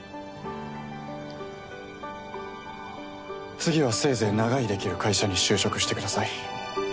次はせいぜい長居できる会社に就職してください。